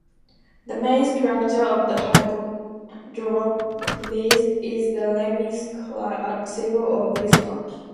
The main structure of the Hydropolis is the Lemniscate, a symbol of wisdom.